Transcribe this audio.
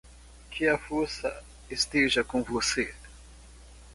Que a força esteja com você!